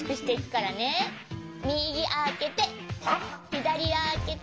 ひだりあけて。